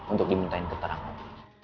untuk dimintain keterangan